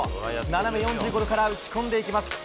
斜め４５度から打ち込んでいきます。